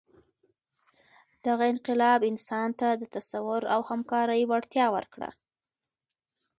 دغه انقلاب انسان ته د تصور او همکارۍ وړتیا ورکړه.